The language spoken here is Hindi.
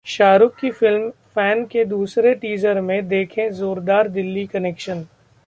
शाहरुख की फिल्म 'फैन' के दूसरे टीजर में देखें जोरदार दिल्ली कनेक्शन